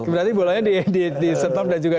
berarti bolanya di stop dan juga